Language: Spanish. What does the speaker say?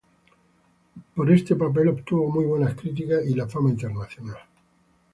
Por este papel obtuvo muy buenas críticas y la fama internacional.